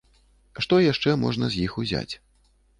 Што яшчэ можна з іх узяць.